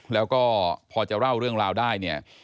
แล้วก็พอจะเล่าเรื่องราวได้เนี่ย